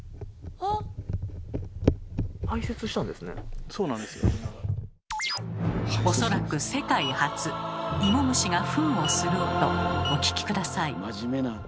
おそらく世界初イモムシがフンをする音お聞き下さい。